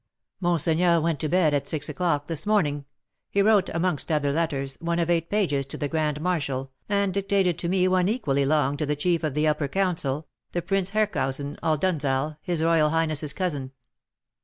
"Monseigneur went to bed at six o'clock this morning. He wrote, amongst other letters, one of eight pages to the Grand Marshal, and dictated to me one equally long to the Chief of the Upper Council, the Prince Herkhaüsen Oldenzaal, his royal highness's cousin."